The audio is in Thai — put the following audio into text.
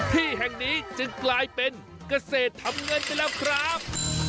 ที่แห่งนี้จึงกลายเป็นเกษตรทำเงินไปแล้วครับ